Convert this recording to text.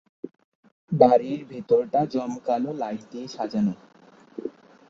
Death hitting নিয়ে তাঁর কয়েকটা সেশন খুব ভালো ছিল।